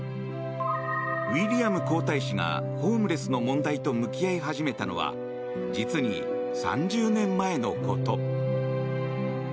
ウィリアム皇太子がホームレスの問題と向き合い始めたのは実に３０年前のこと。